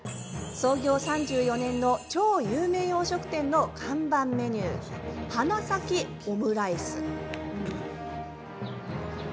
創業３４年の超有名洋食店の看板メニュー花咲きオムライス。